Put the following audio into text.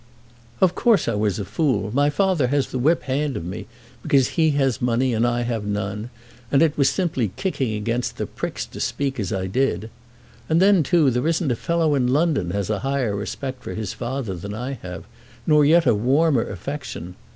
"Of course I was a fool. My father has the whip hand of me, because he has money and I have none, and it was simply kicking against the pricks to speak as I did. And then too there isn't a fellow in London has a higher respect for his father than I have, nor yet a warmer affection.